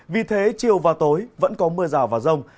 vì thế chiều và tối vẫn có mưa rào và rông